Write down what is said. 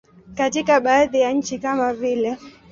Katika baadhi ya nchi kama vile.